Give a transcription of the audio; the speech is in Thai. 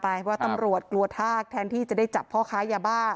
ว่าตำรวจกลัวทากแทนที่จะได้จับพ่อค้ายาบ้า